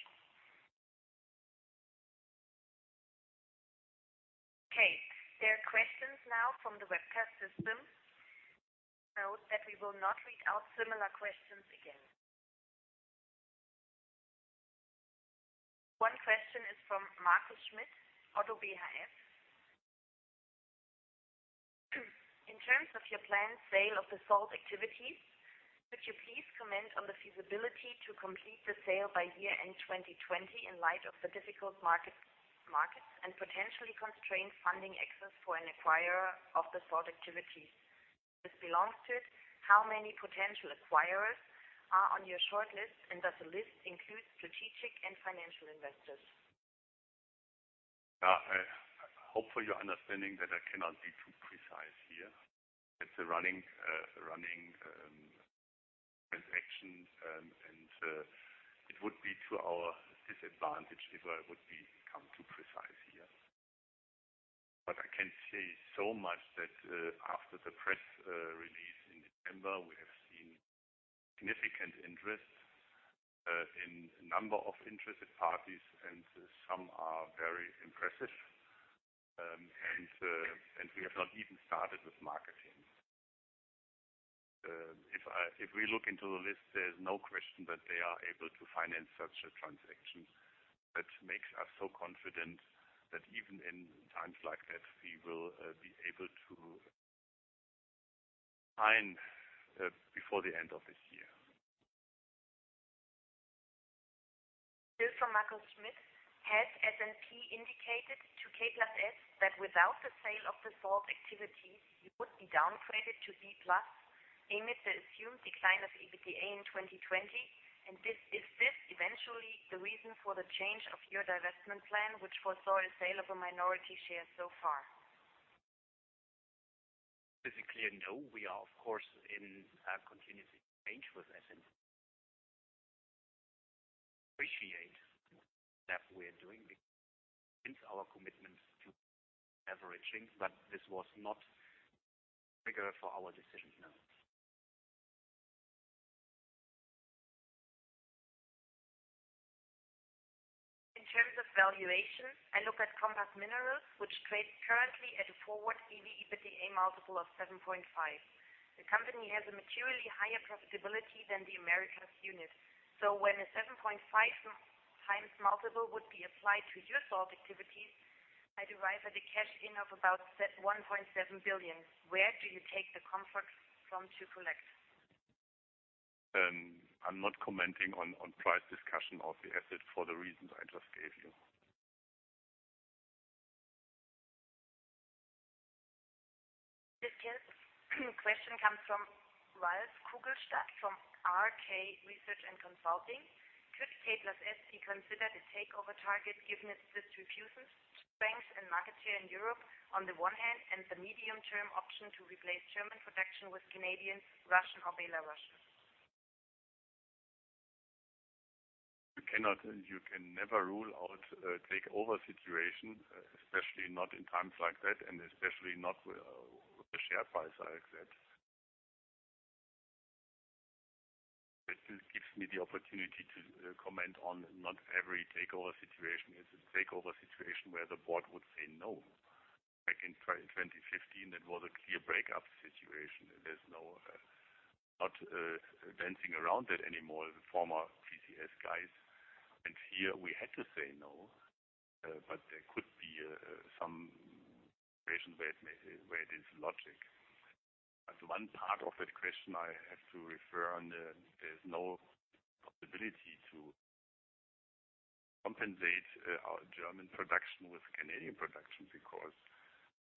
Okay. There are questions now from the webcast system. Note that we will not read out similar questions again. One question is from Markus Schmitt, ODDO BHF. "In terms of your planned sale of the salt activities, could you please comment on the feasibility to complete the sale by year-end 2020 in light of the difficult markets and potentially constrained funding access for an acquirer of the salt activities? If belongs to it, how many potential acquirers are on your shortlist, and does the list include strategic and financial investors? I hope for your understanding that I cannot be too precise here. It's a running transaction, and it would be to our disadvantage if I would become too precise here. I can say so much that after the press release in December, we have seen significant interest in a number of interested parties, and some are very impressive. We have not even started with marketing. If we look into the list, there's no question that they are able to finance such a transaction. That makes us so confident that even in times like that, we will be able to sign before the end of this year. Has S&P indicated to K+S that without the sale of the salt activities, you would be downgraded to B+ amid the assumed decline of EBITDA in 2020? Is this eventually the reason for the change of your divestment plan, which foresaw a sale of a minority share so far? Physically, no. We are, of course, in continuous change with S&P. Appreciate that we are doing, because hence our commitment to averaging, this was not trigger for our decision, no. In terms of valuation, I look at Compass Minerals, which trades currently at a forward EV/EBITDA multiple of 7.5. The company has a materially higher profitability than the Americas unit. When a 7.5x multiple would be applied to your salt activities, I derive at a cash in of about 1.7 billion. Where do you take the comfort from to collect? I'm not commenting on price discussion of the asset for the reasons I just gave you. This question comes from Ralf Kugelstadt from RK Research & Consulting. "Could K+S be considered a takeover target given its distribution strengths and market share in Europe on the one hand, and the medium-term option to replace German production with Canadian, Russian or Belarusian? You can never rule out a takeover situation, especially not in times like that, and especially not with a share price like that. It still gives me the opportunity to comment on not every takeover situation. It's a takeover situation where the board would say no. Back in 2015, it was a clear breakup situation. There's no dancing around it anymore, the former PCS guys. Here we had to say no, there could be some situation where it is logic. One part of that question I have to refer on, there's no possibility to compensate our German production with Canadian production, because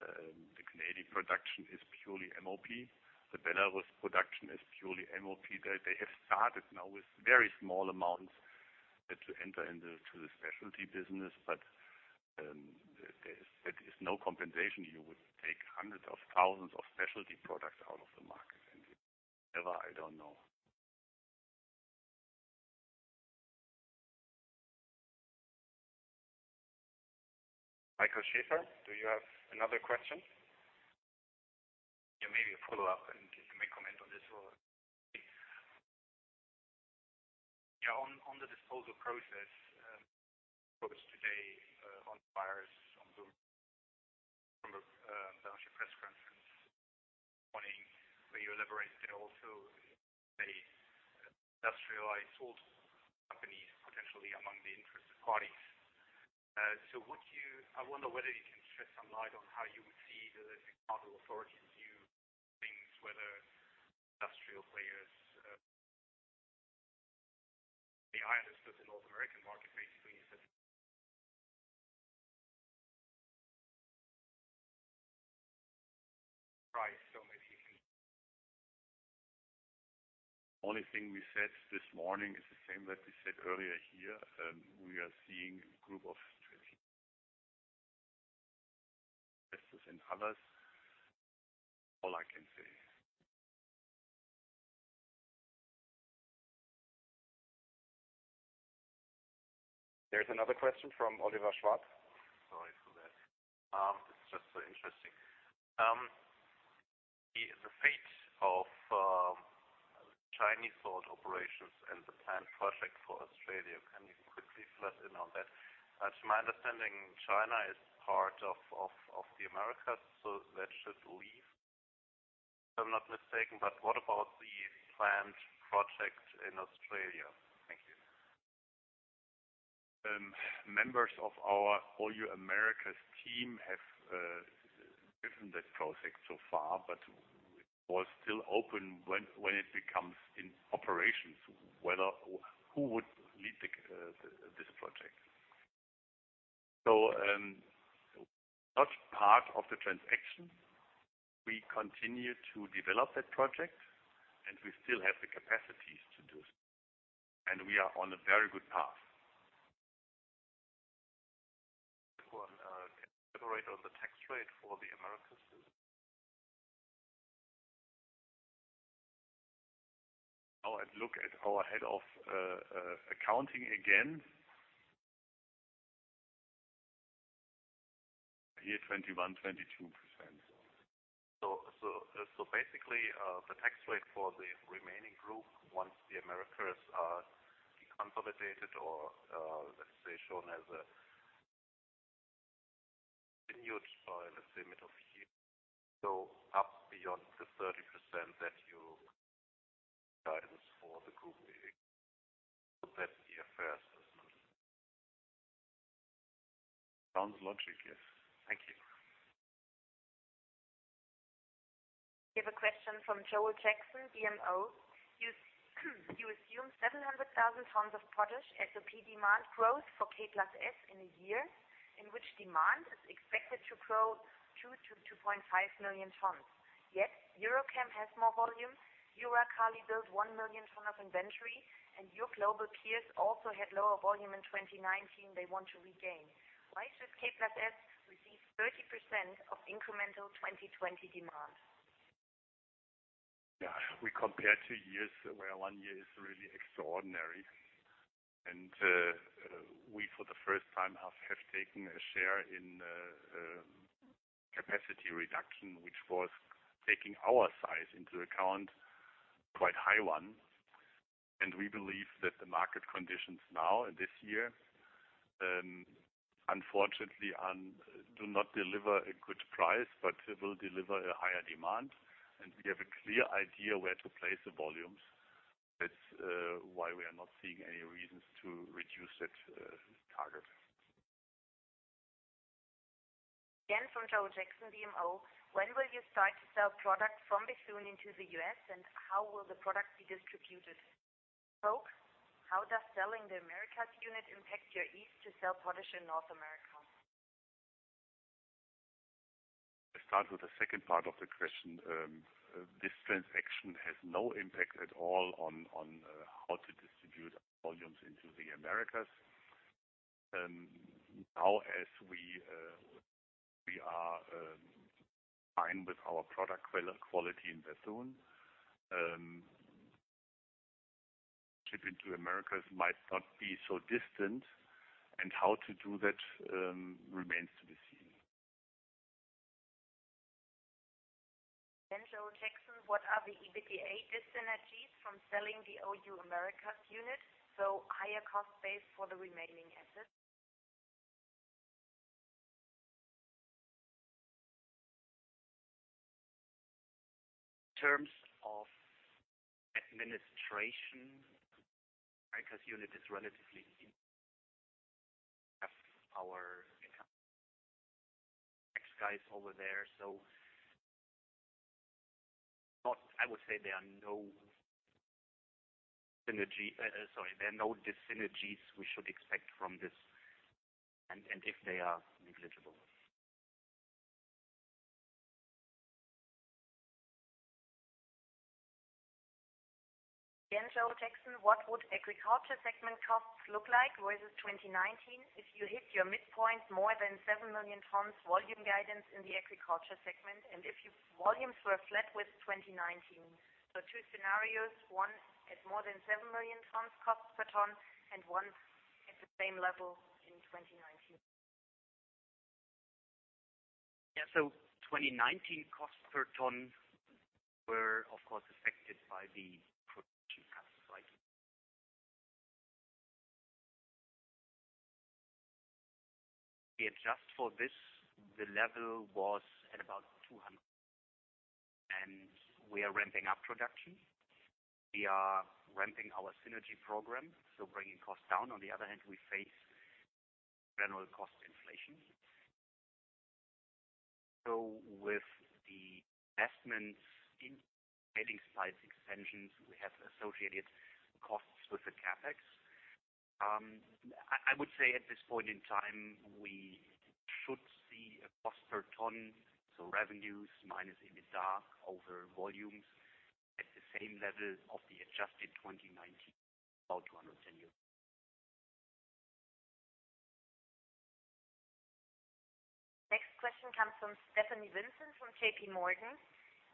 the Canadian production is purely MOP. The Belarus production is purely MOP. They have started now with very small amounts to enter into the specialty business, that is no compensation. You would take hundreds of thousands of specialty products out of the market, and if this clever, I don't know. Michael Schäfer, do you have another question? Yeah, maybe a follow-up, and you can make a comment on this as well. Yeah, on the disposal process, there were some quotes today on the Wires, on Bloomberg, Reuters from a balance sheet press conference this morning, where you elaborate there also many industrialized salt companies potentially among the interested parties. I wonder whether you can shed some light on how you would see the cartel authorities view things, whether industrial players I understood the North American market basically is at price. Only thing we said this morning is the same that we said earlier here. We are seeing group of strategic investors and others. All I can say. There's another question from Oliver Schwarz. Sorry for that. It's just so interesting. The fate of Chinese salt operations and the planned project for Australia, can you quickly fill us in on that? To my understanding, China is part of the Americas, that should leave, if I'm not mistaken. What about the planned project in Australia? Thank you. Members of our OU Americas team have driven that project so far, but it was still open when it becomes in operations, who would lead this project. Not part of the transaction. We continue to develop that project, and we still have the capacities to do so. We are on a very good path. One can elaborate on the tax rate for the Americas business? I look at our head of accounting again. Here 21, 22%. Basically, the tax rate for the remaining group, once the Americas are deconsolidated or let's say shown as a continued by the segment of here, so up beyond the 30% that you guidance for the group A. That's the fair assessment. Sounds logic, yes. Thank you. We have a question from Joel Jackson, BMO. You assume 700,000 tons of potash MOP demand growth for K+S in a year, in which demand is expected to grow 2 million-2.5 million tons. Yet, EuroChem has more volume, URALKALI built 1 million tons of inventory, and your global peers also had lower volume in 2019 they want to regain. Why should K+S receive 30% of incremental 2020 demand? Yeah. We compare two years, where one year is really extraordinary. We, for the first time, have taken a share in a capacity reduction, which was taking our size into account, quite high one. We believe that the market conditions now in this year, unfortunately, do not deliver a good price, but it will deliver a higher demand. We have a clear idea where to place the volumes. That's why we are not seeing any reasons to reduce that target. Again, from Joel Jackson, BMO. When will you start to sell products from Bethune into the U.S., and how will the product be distributed? Folks, how does selling the Americas Unit impact your ease to sell potash in North America? I start with the second part of the question. This transaction has no impact at all on how to distribute volumes into the Americas. As we are fine with our product quality in Bethune, shipping to Americas might not be so distant, and how to do that remains to be seen. Joel Jackson, what are the EBITDA dissynergies from selling the OU Americas unit? Higher cost base for the remaining assets. In terms of administration, Americas unit is relatively lean. Guys over there. I would say there are no synergies we should expect from this, and if they are negligible. Again, Joel Jackson, what would agriculture segment costs look like versus 2019 if you hit your midpoint more than 7 million tons volume guidance in the agriculture segment, and if your volumes were flat with 2019? Two scenarios, one at more than 7 million tons cost per ton, and one at the same level in 2019. Yeah. 2019 costs per ton were, of course, affected by the production cuts slightly. We adjust for this, the level was at about EUR 200. We are ramping up production. We are ramping our synergy program, so bringing costs down. On the other hand, we face general cost inflation. With the investments in tailings site extensions, we have associated costs with the CapEx. I would say at this point in time, we should see a cost per ton, so revenues minus EBITDA over volumes at the same level of the adjusted 2019, about EUR 210. Next question comes from Stephanie Vincent from JPMorgan.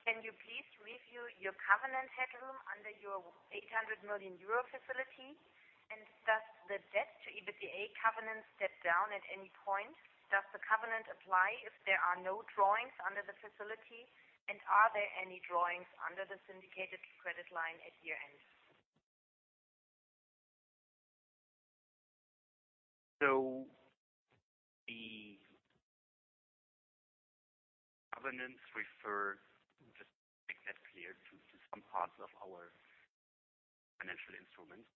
Can you please review your covenant headroom under your 800 million euro facility? Does the debt to EBITDA covenant step down at any point? Does the covenant apply if there are no drawings under the facility? Are there any drawings under the syndicated credit line at year-end? The covenants refer, just to make that clear, to some parts of our financial instruments.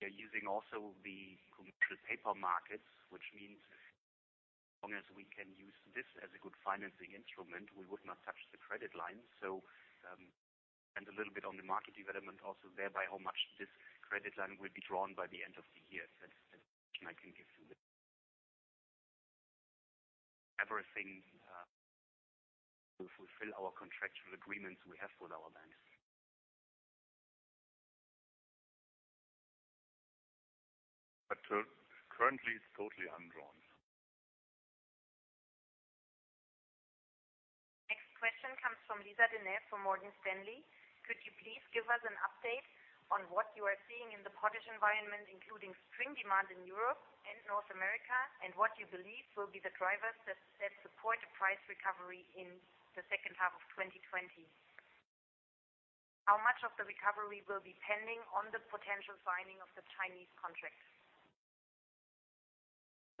We are using also the commercial paper markets, which means as long as we can use this as a good financing instrument, we would not touch the credit line. Depends a little bit on the market development also, thereby how much this credit line will be drawn by the end of the year. That's the information I can give you. Everything to fulfill our contractual agreements we have with our banks. Currently, it's totally undrawn. Next question comes from Lisa De Neve from Morgan Stanley. Could you please give us an update on what you are seeing in the potash environment, including spring demand in Europe and North America, and what you believe will be the drivers that support a price recovery in the H2 of 2020? How much of the recovery will be pending on the potential signing of the Chinese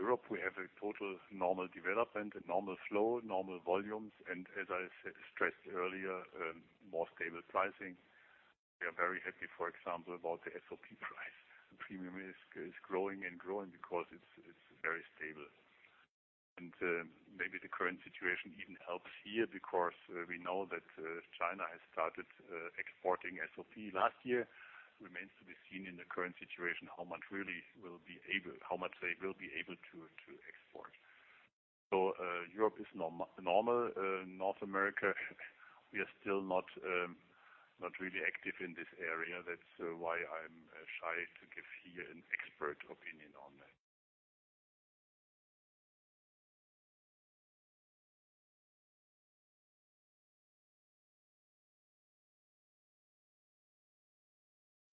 contracts? Europe, we have a total normal development, a normal flow, normal volumes, as I stressed earlier, more stable pricing. We are very happy, for example, about the SOP price. The premium is growing and growing because it's very stable. Maybe the current situation even helps here because we know that China has started exporting SOP last year. Remains to be seen in the current situation, how much they will be able to export. Europe is normal. North America, we are still not really active in this area. That's why I'm shy to give here an expert opinion on that.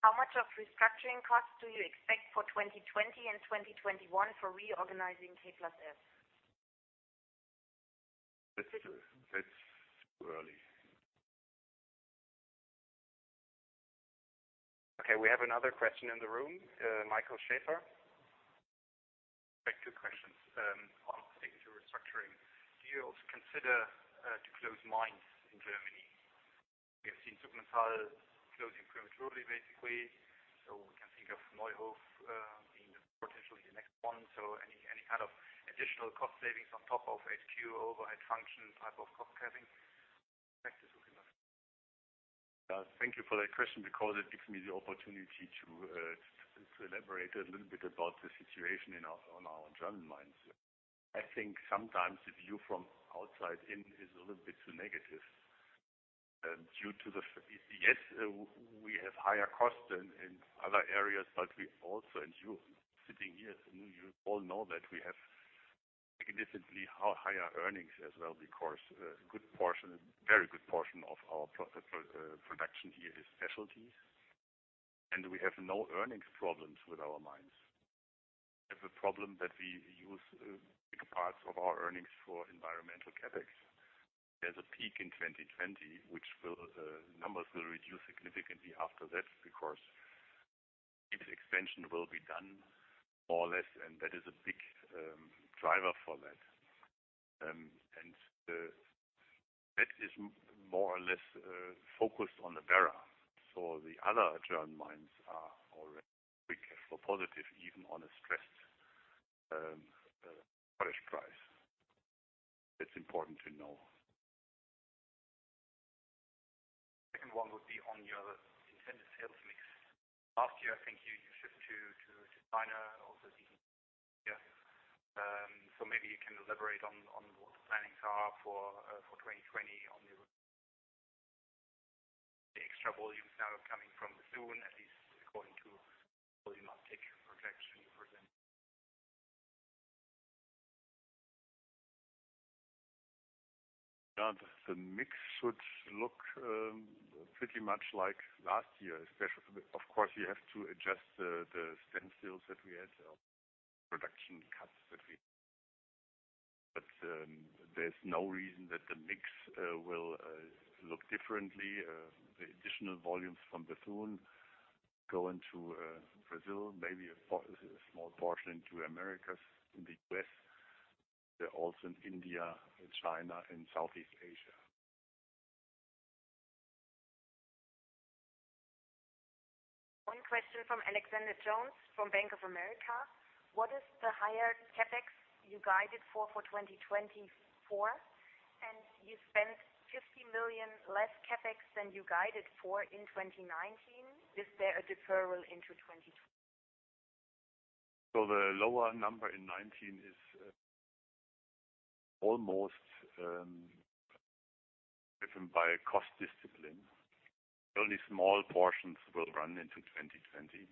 How much of restructuring costs do you expect for 2020 and 2021 for reorganizing K+S? It's too early. Okay. We have another question in the room. Michael Schäfer. Two questions. One sticking to restructuring. Do you also consider to close mines in Germany? We have seen Sigmundshall closing prematurely, basically. We can think of Neuhof being potentially the next one. Any kind of additional cost savings on top of HQ overhead function type of cost cutting? Thanks. Thank you for that question because it gives me the opportunity to elaborate a little bit about the situation on our German mines. I think sometimes the view from outside in is a little bit too negative. Yes, we have higher costs than in other areas. We also, and you sitting here, you all know that we have significantly higher earnings as well because a very good portion of our production here is specialty. We have no earnings problems with our mines. We have a problem that we use big parts of our earnings for environmental CapEx. There is a peak in 2020, which numbers will reduce significantly after that because its expansion will be done more or less, and that is a big driver for that. That is more or less focused on the Werra. The other German mines are already free cash flow positive, even on a stressed potash price. It's important to know. Second one would be on your intended sales mix. Last year, I think you shipped to China, also. Maybe you can elaborate on what the plannings are for 2020 on the extra volumes now coming from Bethune, at least according to volume uptake projection you present. Yeah. The mix should look pretty much like last year. Of course, we have to adjust the sales that we had, production cuts that we had, but there's no reason that the mix will look differently. The additional volumes from Bethune go into Brazil, maybe a small portion to Americas, in the U.S., also in India and China and Southeast Asia. One question from Alexander Jones from Bank of America. What is the higher CapEx you guided for 2024? You spent 50 million less CapEx than you guided for in 2019. Is there a deferral into 2020? The lower number in 2019 is almost driven by a cost discipline. Only small portions will run into 2020.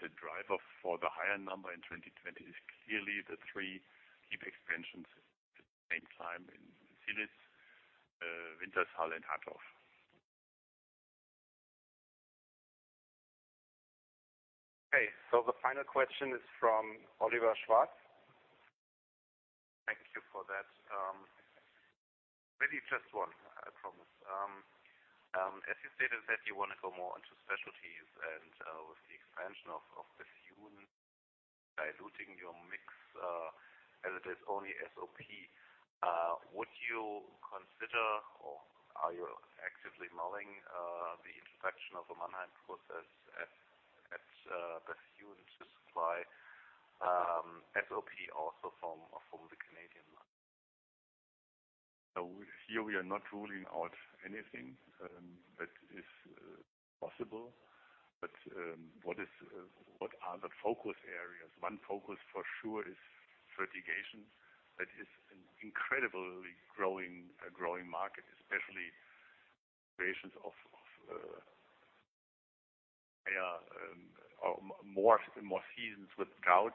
The driver for the higher number in 2020 is clearly the three heap expansions at the same time in Zielitz, Wintershall and Hattorf. Okay, the final question is from Oliver Schwarz. Thank you for that. Maybe just one, I promise. As you stated that you want to go more into specialties and with the expansion of Bethune diluting your mix, as it is only SOP, would you consider or are you actively mulling the introduction of the Mannheim process at Bethune to supply SOP also from the Canadian mine? Here we are not ruling out anything that is possible, but what are the focus areas? One focus for sure is fertigation. That is an incredibly growing market, especially variations of more seasons with drought,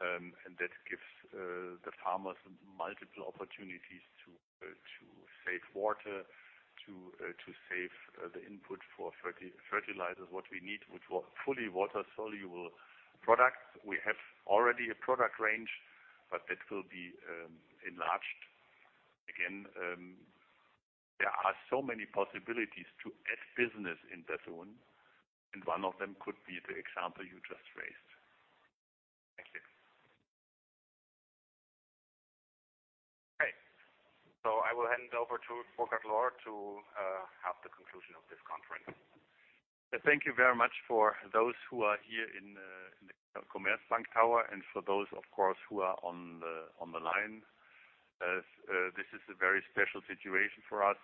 and that gives the farmers multiple opportunities to save water, to save the input for fertilizers. What we need, fully water-soluble products. We have already a product range, but that will be enlarged. Again, there are so many possibilities to add business in Bethune, and one of them could be the example you just raised. Thank you. Okay. I will hand over to Burkhard Lohr to have the conclusion of this conference. Thank you very much for those who are here in the Commerzbank Tower and for those, of course, who are on the line. This is a very special situation for us,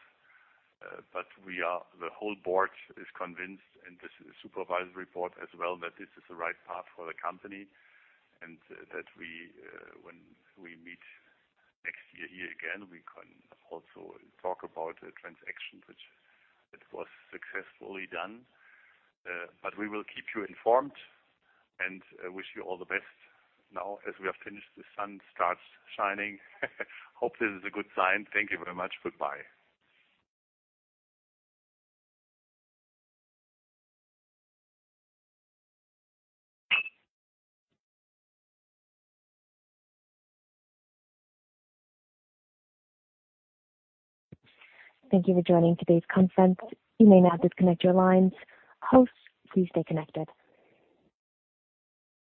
but the whole board is convinced, and the supervisory board as well, that this is the right path for the company, and that when we meet next year here again, we can also talk about a transaction which was successfully done. We will keep you informed and wish you all the best. Now, as we have finished, the sun starts shining. Hope this is a good sign. Thank you very much. Goodbye. Thank you for joining today's conference. You may now disconnect your lines. Hosts, please stay connected.